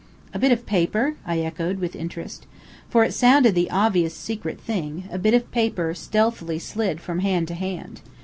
"A bit of paper?" I echoed, with interest. For it sounded the obvious secret thing; a bit of paper stealthily slid from hand to hand.